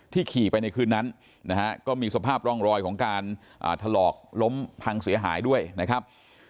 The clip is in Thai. ขี่ไปในคืนนั้นนะฮะก็มีสภาพร่องรอยของการถลอกล้มพังเสียหายด้วยนะครับ